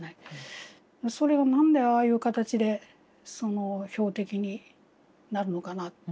それを何でああいう形で標的になるのかなって。